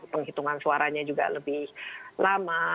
penghitungan suaranya juga lebih lama